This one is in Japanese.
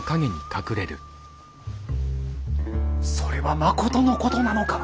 それはまことのことなのか？